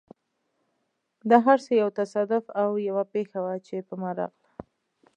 دا هر څه یو تصادف او یوه پېښه وه، چې په ما راغله.